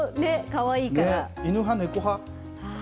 犬派、猫派。